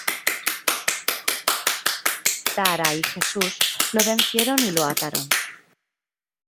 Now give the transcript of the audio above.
Tara y Jesús lo vencieron y lo ataron.